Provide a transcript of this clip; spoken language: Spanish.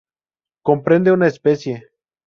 Comprende una especie.